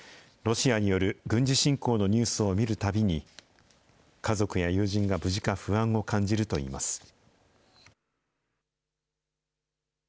ロシアによる軍事侵攻のニュースを見るたびに、家族や友人が無事か、不安を感じるといいます。